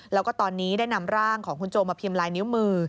แล้วก็ตอนนี้ได้นำร่างของคุณโจมาพิมพ์ลายนิ้วมือ